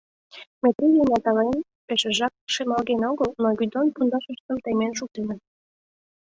Метрий ден Натален пешыжак шемалген огыл, но бидон пундашыштым темен шуктеныт.